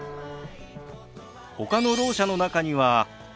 ほかのろう者の中には。